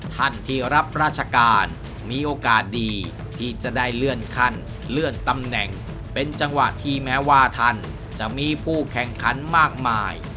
ท่านที่รับราชการมีโอกาสดีที่จะได้เลื่อนขั้นเลื่อนตำแหน่งเป็นจังหวะที่แม้ว่าท่านจะมีผู้แข่งขันมากมาย